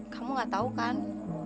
kamu gak tau kan